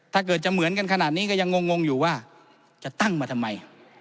ถ้าเกิดจะเหมือนกันขนาดนี้ก็ยังงงอยู่ว่าจะตั้งมาทำไม